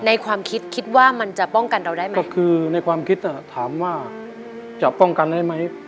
ความคิดคิดว่ามันจะป้องกันเราได้ไหมก็คือในความคิดอ่ะถามว่าจะป้องกันได้ไหม